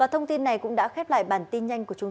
thông tin này cũng đã khép lại bản tin